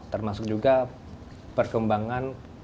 termasuk juga perkembangan